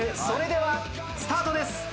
それではスタートです。